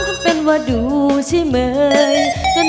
ก็เป็นว่าดูชิมมัย